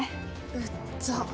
うっざ。